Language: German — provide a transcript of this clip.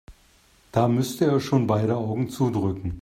Da müsste er schon beide Augen zudrücken.